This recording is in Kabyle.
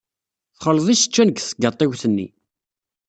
Texleḍ iseččan deg tgaṭiwt-nni.